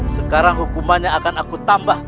sekarang hukumannya akan aku tambah